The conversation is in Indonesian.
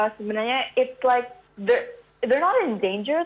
sebenarnya mereka tidak dalam bahaya